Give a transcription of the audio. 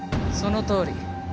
そのとおり。